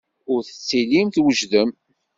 Ur tettilim twejdem.